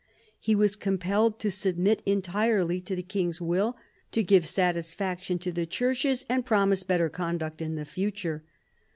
He was compelled to submit entirely to the king's will, to give satisfaction to the churches, and promise better conduct in the future.